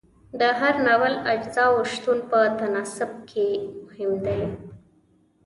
د هر ناول اجزاو شتون په تناسب کې مهم دی.